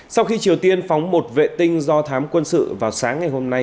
sau khi triều tiên phóng một vệ tinh do thám quân sự vào sáng ngày hôm nay